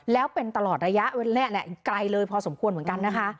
แล้วเป็นตลอดระยะเวลาแหละไกลเลยพอสมควรเหมือนกันนะคะ